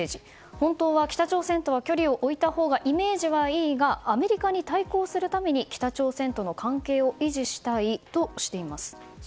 本当は北朝鮮とは距離を置いたほうがイメージはいいがアメリカに対抗するために北朝鮮との関係を維持したいとしています。